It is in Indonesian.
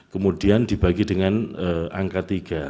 kemudian dibagi dengan angka tiga